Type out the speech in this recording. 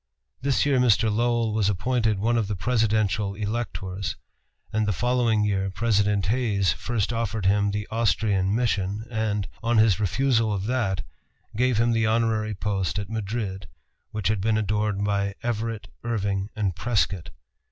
This year Mr. Lowell was appointed one of the presidential electors; and the following year President Hayes first offered him the Austrian mission, and, on his refusal of that, gave him the honorary post at Madrid, which had been adorned by Everett, Irving, and Prescott.